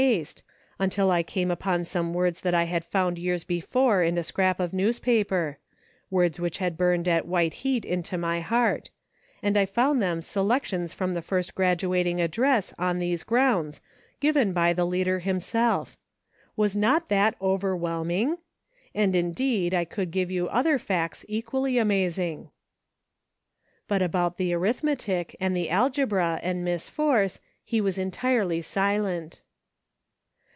haste, until I came upon some words that I had found years before in a scrap of newspaper, — words which had burned at white heat into my heart ; and I found them selections from the first graduating address on these grounds, given by the leader himself ! Was not that overwhelming ? And indeed I could give you other facts equally amazing." But about the arithmetic, and the algebra, and Miss Force, he was entirely silent.